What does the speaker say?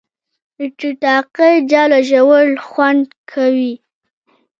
د ټیټاقې جاوله ژوول خوند کوي